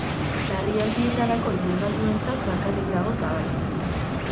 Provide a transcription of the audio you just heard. Larrialdietarako ibilgailuentzat bakarrik dago zabalik.